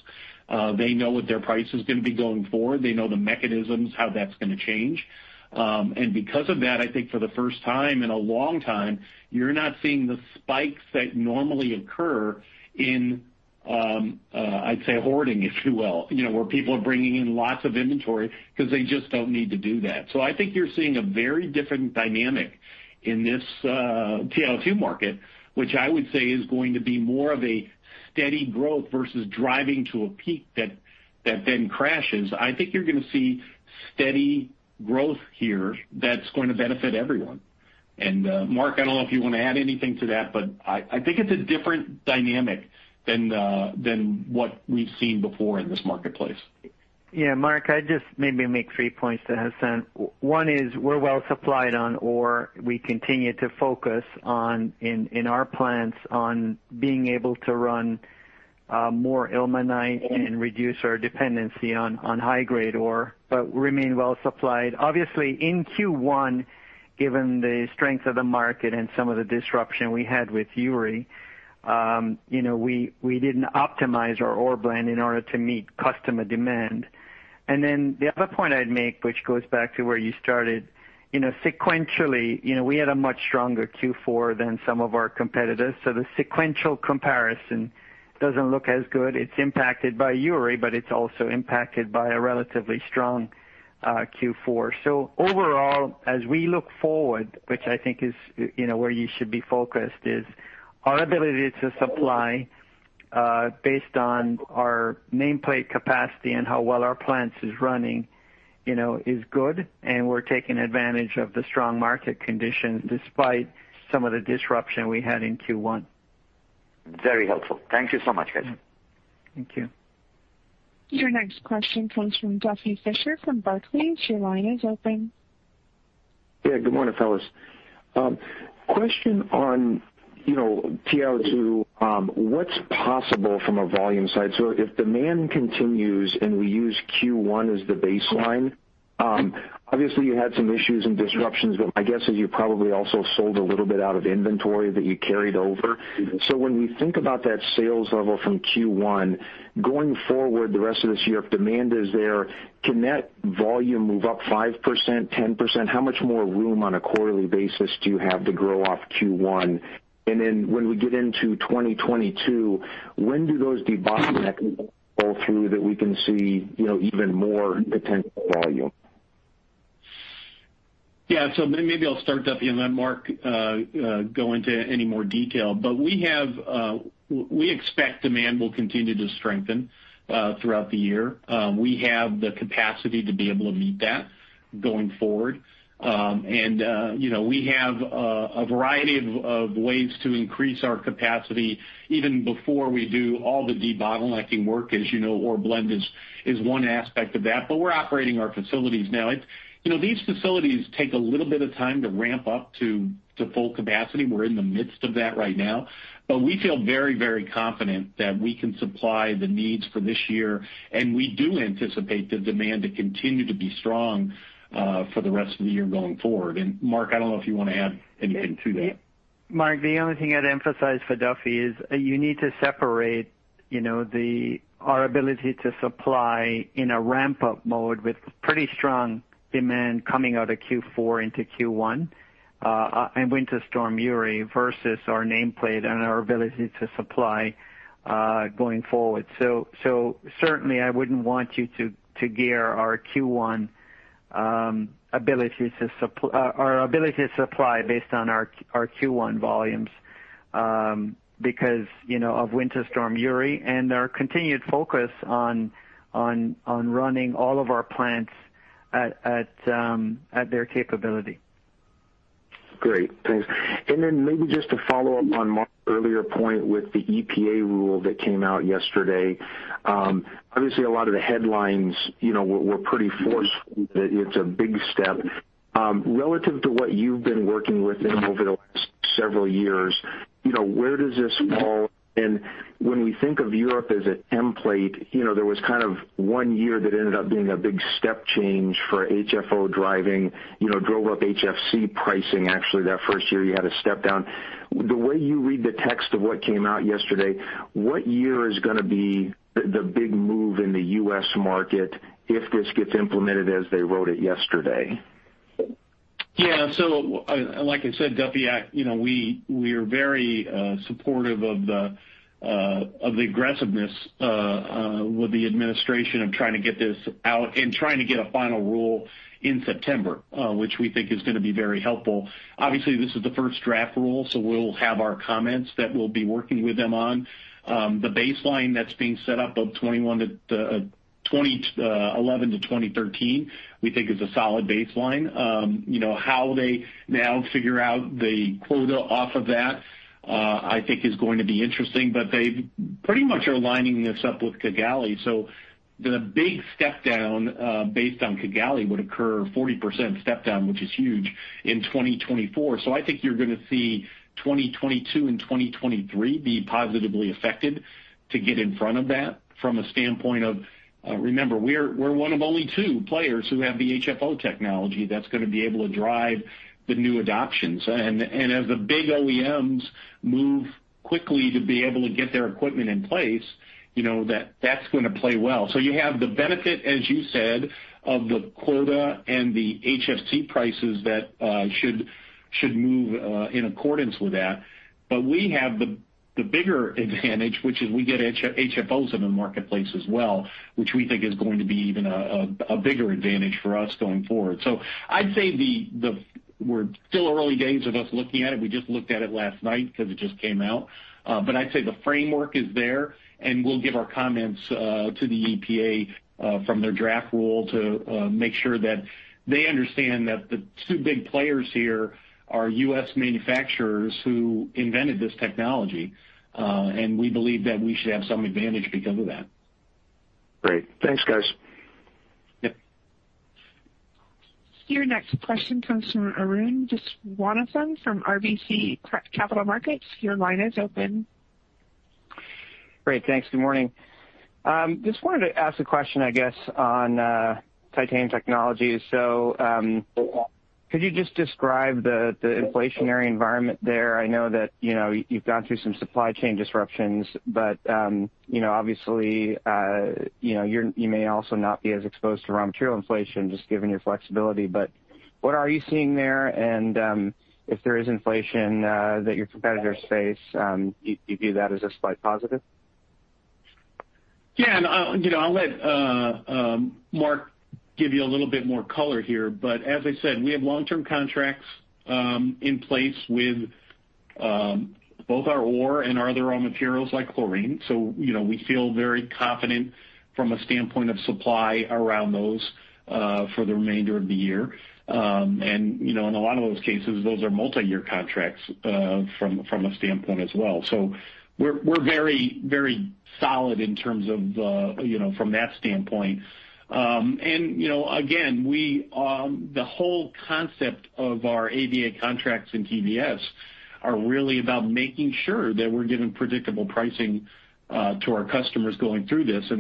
They know what their price is going to be going forward. They know the mechanisms, how that's going to change. Because of that, I think for the first time in a long time, you're not seeing the spikes that normally occur in, I'd say, hoarding, if you will, where people are bringing in lots of inventory because they just don't need to do that. I think you're seeing a very different dynamic in this TiO2 market, which I would say is going to be more of a steady growth versus driving to a peak that then crashes. I think you're going to see steady growth here that's going to benefit everyone. Mark, I don't know if you want to add anything to that, but I think it's a different dynamic than what we've seen before in this marketplace. Mark, I'd just maybe make three points to Hassan. One is we're well supplied on ore. We continue to focus in our plants on being able to run more ilmenite and reduce our dependency on high-grade ore, but remain well supplied. Obviously, in Q1, given the strength of the market and some of the disruption we had with Uri, we didn't optimize our ore blend in order to meet customer demand. The other point I'd make, which goes back to where you started, sequentially, we had a much stronger Q4 than some of our competitors. The sequential comparison doesn't look as good. It's impacted by Uri, but it's also impacted by a relatively strong Q4. Overall, as we look forward, which I think is where you should be focused, is our ability to supply based on our nameplate capacity and how well our plants is running is good, and we're taking advantage of the strong market conditions despite some of the disruption we had in Q1. Very helpful. Thank you so much, guys. Thank you. Your next question comes from Duffy Fischer from Barclays. Your line is open. Good morning, fellas. Question on TiO2. What's possible from a volume side? If demand continues and we use Q1 as the baseline, obviously you had some issues and disruptions, but my guess is you probably also sold a little bit out of inventory that you carried over. When we think about that sales level from Q1, going forward the rest of this year, if demand is there, can that volume move up 5%, 10%? How much more room on a quarterly basis do you have to grow off Q1? When we get into 2022, when do those debottlenecking roll through that we can see even more potential volume? Yeah. Maybe I'll start, Duffy, and let Mark go into any more detail. We expect demand will continue to strengthen throughout the year. We have the capacity to be able to meet that going forward. We have a variety of ways to increase our capacity even before we do all the debottlenecking work. As you know, ore blend is one aspect of that. We're operating our facilities now. These facilities take a little bit of time to ramp up to full capacity. We're in the midst of that right now. We feel very confident that we can supply the needs for this year, and we do anticipate the demand to continue to be strong for the rest of the year going forward. Mark, I don't know if you want to add anything to that. Mark, the only thing I'd emphasize for Duffy is you need to separate our ability to supply in a ramp-up mode with pretty strong demand coming out of Q4 into Q1 and Winter Storm Uri versus our nameplate and our ability to supply going forward. Certainly I wouldn't want you to gear our ability to supply based on our Q1 volumes because of Winter Storm Uri and our continued focus on running all of our plants at their capability. Great. Thanks. Maybe just to follow up on Mark's earlier point with the EPA rule that came out yesterday. Obviously, a lot of the headlines were pretty forceful, that it's a big step. Relative to what you've been working with them over the last several years, where does this fall? When we think of Europe as a template, there was kind of one year that ended up being a big step change for HFO driving, drove up HFC pricing actually that first year you had a step down. The way you read the text of what came out yesterday, what year is going to be the big move in the U.S. market if this gets implemented as they wrote it yesterday? Yeah, like I said, Duffy, we are very supportive of the aggressiveness with the administration of trying to get this out and trying to get a final rule in September, which we think is going to be very helpful. Obviously, this is the first draft rule, so we'll have our comments that we'll be working with them on. The baseline that's being set up of 2011 to 2013, we think is a solid baseline. How they now figure out the quota off of that, I think is going to be interesting, but they pretty much are lining this up with Kigali. The big step-down based on Kigali would occur, 40% step down, which is huge, in 2024. I think you're going to see 2022 and 2023 be positively affected to get in front of that. Remember, we're one of only two players who have the HFO technology that's going to be able to drive the new adoptions. As the big OEMs move quickly to be able to get their equipment in place, that's going to play well. You have the benefit, as you said, of the quota and the HFC prices that should move in accordance with that. We have the bigger advantage, which is we get HFOs in the marketplace as well, which we think is going to be even a bigger advantage for us going forward. I'd say we're still early days of us looking at it. We just looked at it last night because it just came out. I'd say the framework is there, and we'll give our comments to the EPA from their draft rule to make sure that they understand that the two big players here are U.S. manufacturers who invented this technology. We believe that we should have some advantage because of that. Great. Thanks, guys. Yep. Your next question comes from Arun Viswanathan from RBC Capital Markets. Your line is open. Great. Thanks. Good morning. Just wanted to ask a question, I guess, on Titanium Technologies. Could you just describe the inflationary environment there? I know that you've gone through some supply chain disruptions, but obviously, you may also not be as exposed to raw material inflation, just given your flexibility. What are you seeing there? If there is inflation that your competitors face, do you view that as a slight positive? Yeah. I'll let Mark give you a little bit more color here. As I said, we have long-term contracts in place with both our ore and our other raw materials like chlorine. We feel very confident from a standpoint of supply around those for the remainder of the year. In a lot of those cases, those are multi-year contracts from a standpoint as well. We're very solid from that standpoint. Again, the whole concept of our AVA contracts and TVS are really about making sure that we're giving predictable pricing to our customers going through this.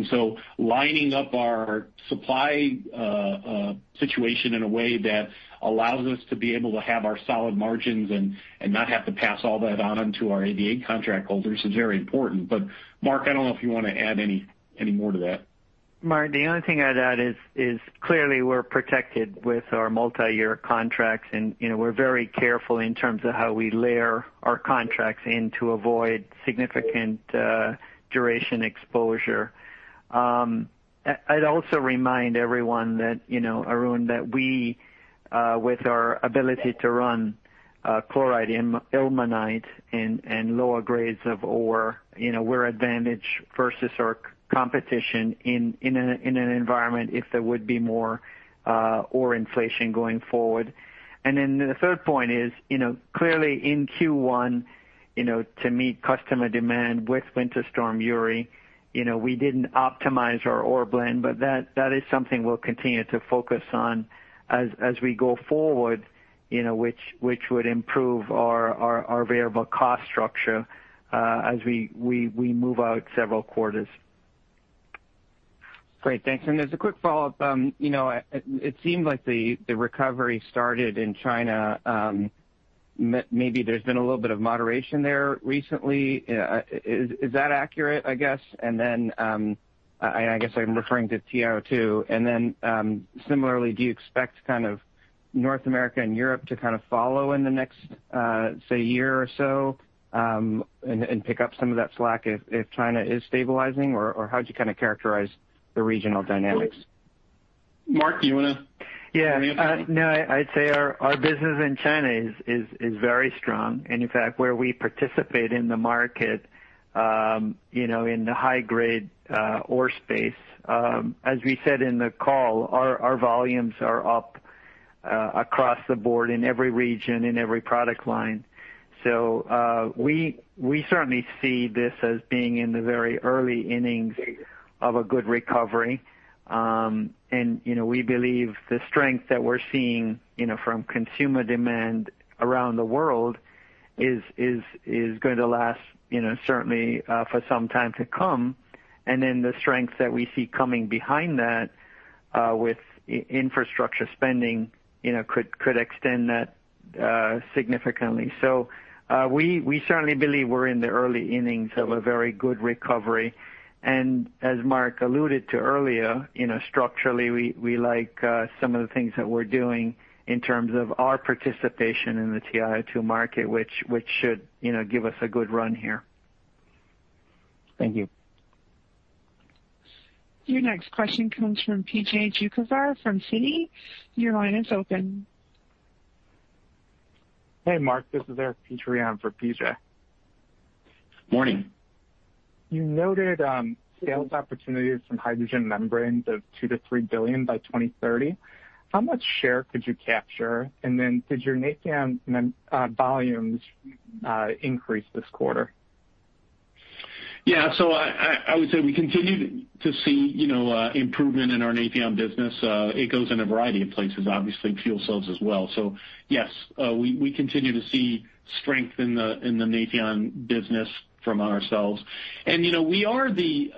Lining up our supply situation in a way that allows us to be able to have our solid margins and not have to pass all that on to our AVA contract holders is very important. Mark, I don't know if you want to add any more to that. Mark, the only thing I'd add is clearly we're protected with our multi-year contracts. We're very careful in terms of how we layer our contracts in to avoid significant duration exposure. I'd also remind everyone, Arun, that we with our ability to run chloride ilmenite and lower grades of ore, we're advantaged versus our competition in an environment if there would be more ore inflation going forward. The third point is, clearly in Q1, to meet customer demand with Winter Storm Uri, we didn't optimize our ore blend. That is something we'll continue to focus on as we go forward which would improve our variable cost structure as we move out several quarters. Great, thanks. As a quick follow-up, it seemed like the recovery started in China. Maybe there's been a little bit of moderation there recently. Is that accurate, I guess? I guess I'm referring to TiO2. Similarly, do you expect North America and Europe to follow in the next, say, year or so and pick up some of that slack if China is stabilizing? How do you characterize the regional dynamics? Mark, do you wanna- Yeah. No, I'd say our business in China is very strong. In fact, where we participate in the market in the high-grade ore space as we said in the call, our volumes are up across the board in every region, in every product line. We certainly see this as being in the very early innings of a good recovery. We believe the strength that we're seeing from consumer demand around the world is going to last certainly for some time to come. Then the strength that we see coming behind that with infrastructure spending could extend that significantly. We certainly believe we're in the early innings of a very good recovery. As Mark alluded to earlier, structurally, we like some of the things that we're doing in terms of our participation in the TiO2 market, which should give us a good run here. Thank you. Your next question comes from P.J. Juvekar from Citi. Your line is open. Hey, Mark. This is Eric Petrie for P.J. Morning. You noted sales opportunities from hydrogen membranes of $2 billion-$3 billion by 2030. How much share could you capture? Did your Nafion volumes increase this quarter? I would say we continued to see improvement in our Nafion business. It goes in a variety of places, obviously fuel cells as well. Yes, we continue to see strength in the Nafion business from ourselves. We are the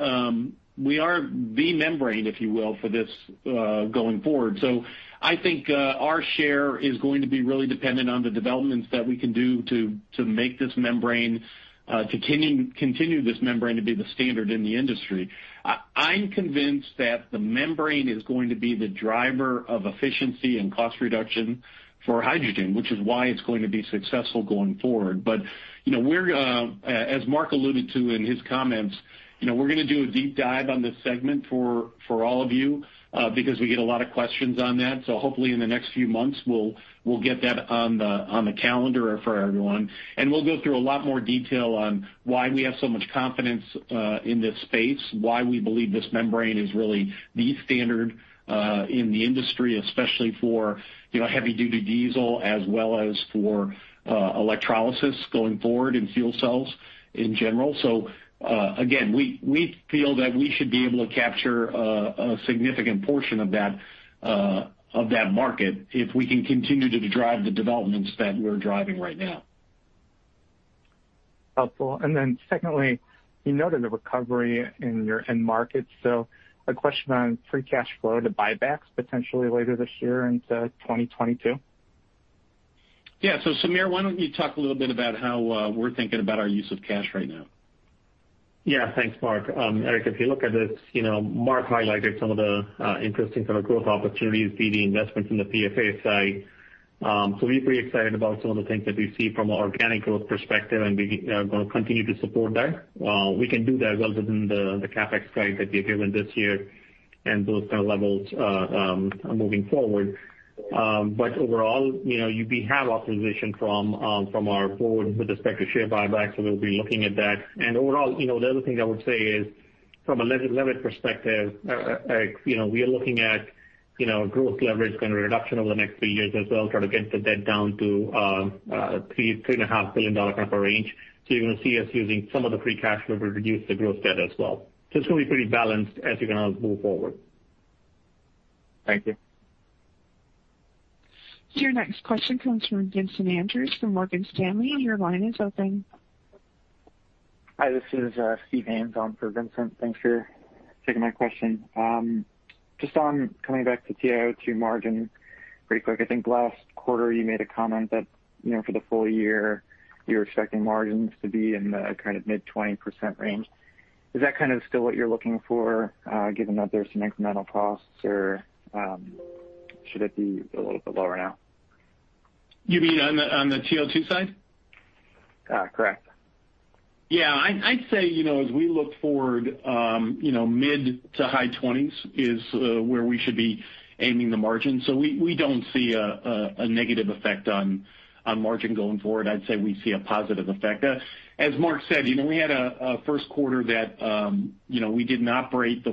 membrane, if you will, for this going forward. I think our share is going to be really dependent on the developments that we can do to make this membrane, to continue this membrane to be the standard in the industry. I'm convinced that the membrane is going to be the driver of efficiency and cost reduction for hydrogen, which is why it's going to be successful going forward. As Mark alluded to in his comments, we're going to do a deep dive on this segment for all of you, because we get a lot of questions on that. Hopefully in the next few months, we'll get that on the calendar for everyone, and we'll go through a lot more detail on why we have so much confidence in this space, why we believe this membrane is really the standard in the industry, especially for heavy-duty diesel as well as for electrolysis going forward and fuel cells in general. Again, we feel that we should be able to capture a significant portion of that market if we can continue to drive the developments that we're driving right now. Helpful. Secondly, you noted a recovery in your end markets. A question on free cash flow to buybacks potentially later this year into 2022. Yeah. Sameer, why don't you talk a little bit about how we're thinking about our use of cash right now? Thanks, Mark. Eric, if you look at this, Mark highlighted some of the interesting sort of growth opportunities, be the investments in the PFA side. We're pretty excited about some of the things that we see from an organic growth perspective, and we are going to continue to support that. We can do that within the CapEx guide that we've given this year and those kind of levels moving forward. Overall, we have authorization from our board with respect to share buyback, so we'll be looking at that. Overall, the other thing I would say is from a leverage perspective, Eric, we are looking at gross leverage kind of reduction over the next three years as well, try to get the debt down to $3.5 billion kind of a range. You're going to see us using some of the free cash flow to reduce the gross debt as well. It's going to be pretty balanced as we kind of move forward. Thank you. Your next question comes from Vincent Andrews from Morgan Stanley. Your line is open. Hi, this is Stephen Haynes on for Vincent. Thanks for taking my question. Just on coming back to TiO2 margin pretty quick, I think last quarter you made a comment that for the full year, you're expecting margins to be in the kind of mid-20% range. Is that kind of still what you're looking for, given that there's some incremental costs, or should it be a little bit lower now? You mean on the TiO2 side? Correct. Yeah. I'd say, as we look forward, mid-to-high 20s is where we should be aiming the margin. We don't see a negative effect on margin going forward. I'd say we see a positive effect. As Mark said, we had a first quarter that we didn't operate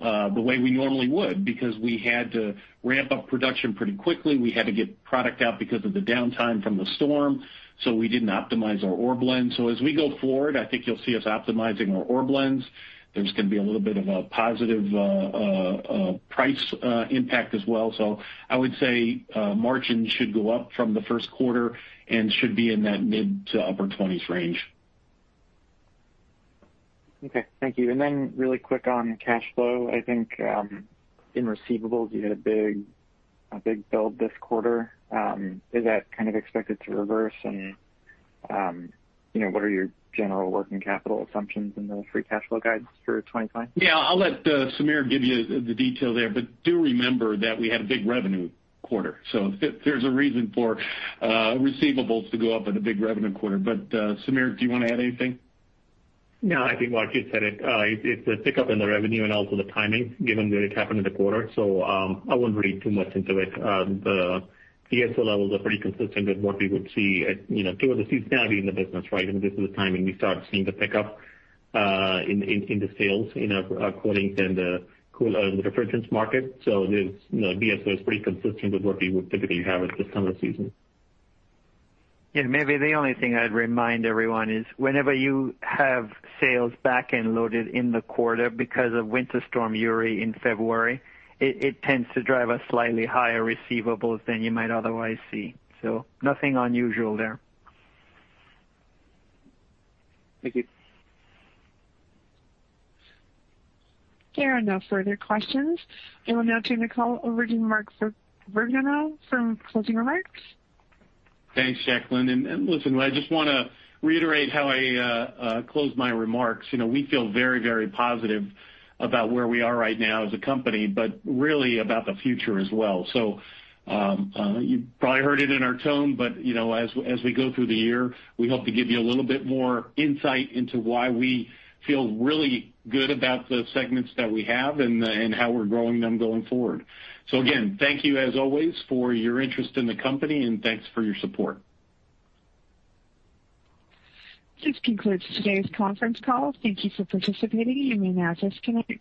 the way we normally would because we had to ramp up production pretty quickly. We had to get product out because of the downtime from the storm, so we didn't optimize our ore blend. As we go forward, I think you'll see us optimizing our ore blends. There's going to be a little bit of a positive price impact as well. I would say margins should go up from the first quarter and should be in that mid-to-upper 20s range. Okay. Thank you. Really quick on cash flow, I think in receivables you had a big build this quarter. Is that kind of expected to reverse and what are your general working capital assumptions in the free cash flow guides for 2025? Yeah. I'll let Sameer give you the detail there. Do remember that we had a big revenue quarter, so there's a reason for receivables to go up at a big revenue quarter. Sameer, do you want to add anything? No, I think Mark just said it. It's a pickup in the revenue and also the timing given that it happened in the quarter. I wouldn't read too much into it. The DSO levels are pretty consistent with what we would see at kind of the seasonality in the business, right? This is the timing we start seeing the pickup in the sales in our coolants and the refrigerants market. The DSO is pretty consistent with what we would typically have at this time of the season. Yeah. Maybe the only thing I'd remind everyone is whenever you have sales back end loaded in the quarter because of Winter Storm Uri in February, it tends to drive a slightly higher receivables than you might otherwise see. Nothing unusual there. Thank you. There are no further questions. I will now turn the call over to Mark Vergnano for closing remarks. Thanks, Jacqueline. Listen, I just want to reiterate how I closed my remarks. We feel very positive about where we are right now as a company, but really about the future as well. You probably heard it in our tone, but as we go through the year, we hope to give you a little bit more insight into why we feel really good about the segments that we have and how we're growing them going forward. Again, thank you as always for your interest in the company and thanks for your support. This concludes today's conference call. Thank you for participating. You may now disconnect.